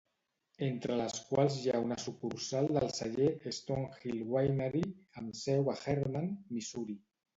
Entre les quals hi ha una sucursal del celler Stone Hill Winery, amb seu a Hermann, Missouri.